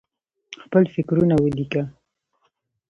خپل فکرونه ولیکه.